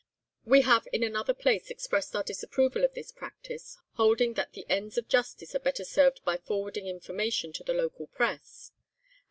We have in another place expressed our disapproval of this practice, holding that the ends of justice are better served by forwarding information to the local press.